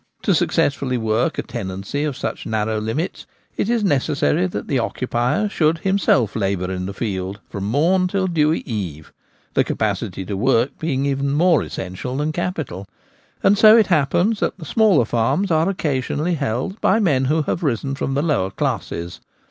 To successfully work a tenancy of such narrow limits it is necessary that the occupier should himself labour in the field from morn till dewy 40 The Gamekeeper at Home. eve — the capacity to work being even more essential than capital ; and so it happens that the smaller farms are occasionally held by men who have risen from the lower classes.